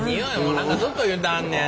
何かずっと言うてはんねん。